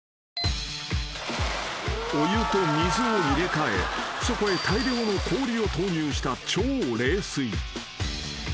［お湯と水を入れ替えそこへ大量の氷を投入した］